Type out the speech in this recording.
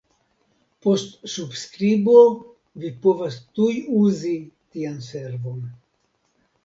Post subskribo vi povas tuj uzi tian servon.